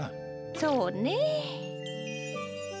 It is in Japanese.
そうねえ。